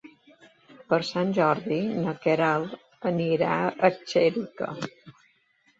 Per Sant Jordi na Queralt anirà a Xèrica.